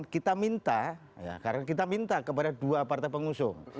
kita minta karena kita minta kepada dua partai pengusung